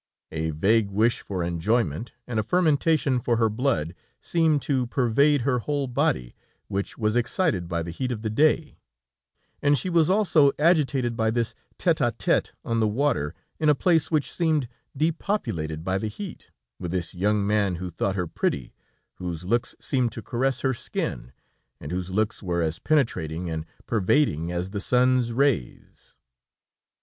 A vague wish for enjoyment and a fermentation for her blood, seemed to pervade her whole body, which was excited by the heat of the day; and she was also agitated by this tête à tête on the water, in a place which seemed depopulated by the heat, with this young man who thought her pretty, whose looks seemed to caress her skin, and whose looks were as penetrating and pervading as the sun's rays.